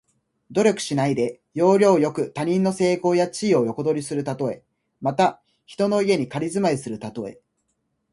努力しないで、要領よく他人の成功や地位を横取りするたとえ。また、人の家に仮住まいするたとえ。